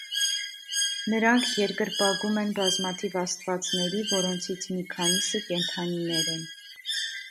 Նրանք երկրպագում են բազմաթիվ աստվածների, որոնցից մի քանիսը կենդանիներ են։